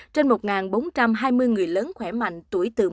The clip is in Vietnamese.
trên một bốn trăm hai mươi người lớn khỏe mạnh tuổi từ một mươi tám đến năm mươi năm